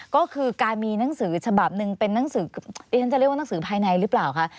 ก็คือการมีหนังสือฉบับหนึ่งเป็นหนังสือดิฉันจะเรียกว่าหนังสือภายในหรือเปล่าคะ